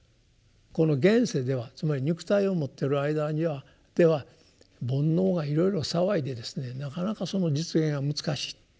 この現世ではつまり肉体を持ってる間では煩悩がいろいろ騒いでですねなかなかその実現が難しい。